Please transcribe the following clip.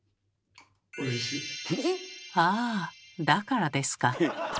ああだからですか。